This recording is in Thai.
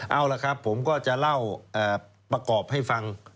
เอาล่ะครับผมก็จะเล่าประกอบให้ฟัง